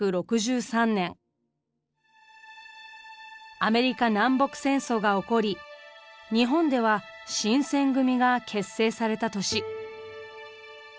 アメリカ南北戦争が起こり日本では新撰組が結成された年。